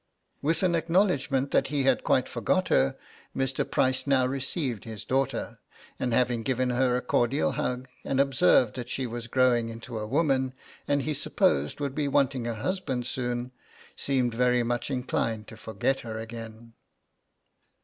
"' 'With an acknowledgment that he had quite forgot her, Mr. Price now received his daughter, and having given her a cordial hug and observed that she was grown into a woman and he supposed would be wanting a husband soon, seemed very much inclined to forget her again.'